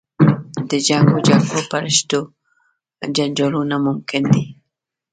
د جنګ و جګړو په رشتو جنجالونه ممکن دي.